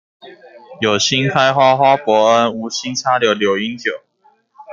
有新開花花伯恩、無心插柳柳英九